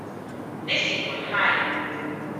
Nes i fwynhau.